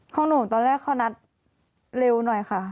ของหนูตอนแรกเขานัดเร็วหน่อยค่ะ